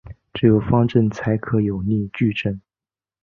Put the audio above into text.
只有方阵才可能有逆矩阵。